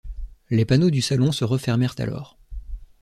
Les panneaux du salon se refermèrent alors.